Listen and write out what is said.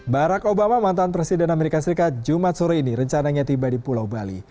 barack obama mantan presiden amerika serikat jumat sore ini rencananya tiba di pulau bali